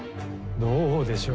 どうでしょう？